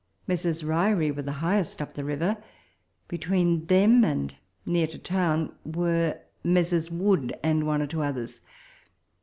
Messrs. Ryrie were the highest up the river ; betAveen them, and near to town, were Messrs. Wood and one or two others.